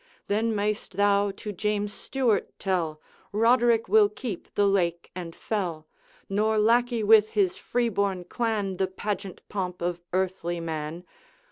Then mayst thou to James Stuart tell, Roderick will keep the lake and fell, Nor lackey with his freeborn clan The pageant pomp of earthly man.